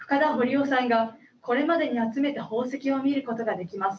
夫さんがこれまでに集めた宝石を見ることができます。